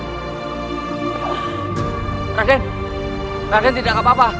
oke raden tidak apa apa